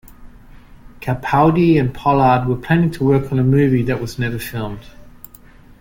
Capaldi and Pollard were planning to work on a movie that was never filmed.